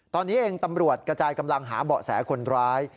ตอนนี้เองตำรวจกระจายกำลังหาเบาะแสคนร้าย